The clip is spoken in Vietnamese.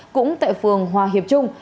cũng tại phường hòa hiệp trung